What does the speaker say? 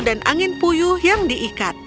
dan angin puyuh yang diikat